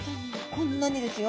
こんなにですよ。